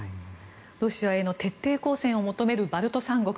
ロシアへの徹底抗戦を求めるバルト三国。